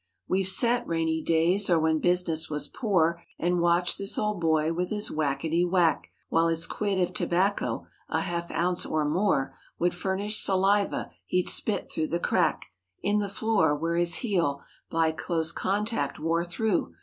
We've sat, rainy days, or when business was poor. And watched this old boy with his whackity whack. While his quid of tobacco (a half ounce or more) Would furnish saliva, he'd spit through the crack In the floor, where his heel by close contact wore through.